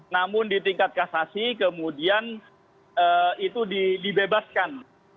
namun di tingkat kasasi kemudian itu dibebaskan